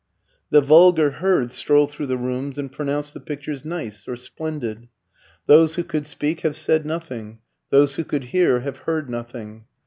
The vulgar herd stroll through the rooms and pronounce the pictures "nice" or "splendid." Those who could speak have said nothing, those who could hear have heard nothing.